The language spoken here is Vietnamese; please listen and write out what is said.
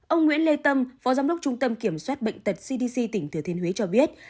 ông nguyễn lê tâm phó giám đốc trung tâm kiểm soát bệnh tật cdc tỉnh thừa thiên huế cho biết